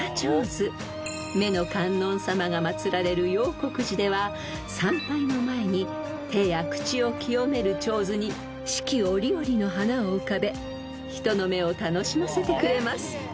［眼の観音様が祭られる楊谷寺では参拝の前に手や口を清める手水に四季折々の花を浮かべ人の目を楽しませてくれます］